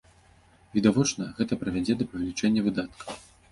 Відавочна, гэта прывядзе да павелічэння выдаткаў.